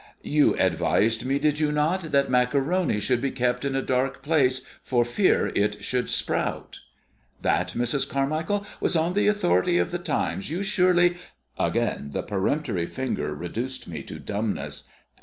"You advised me, did you not, that maccaroni should be kept in a dark place for fear it should sprout?" "That, Mrs. Carmichael, was on the authority of the Times. You surely " Again the peremptory finger reduced me to dumbness.